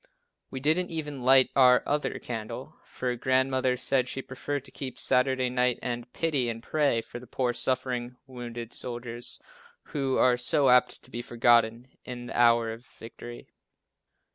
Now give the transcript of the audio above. We didn't even light "our other candle," for Grandmother said she preferred to keep Saturday night and pity and pray for the poor suffering, wounded soldiers, who are so apt to be forgotten in the hour of victory.